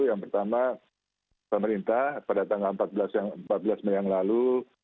yang pertama pemerintah pada tanggal empat belas mei yang lalu